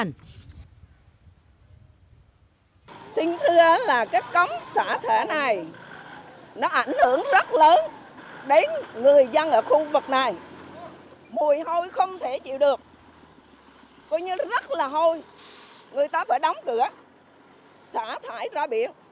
người ta phải đóng cửa xả thải ra biển